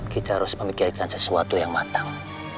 kita harus memikirkan sesuatu yang matang